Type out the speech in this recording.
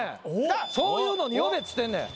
そういうのに呼べっつってんねん。